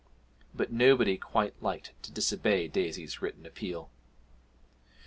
But nobody quite liked to disobey Daisy's written appeal.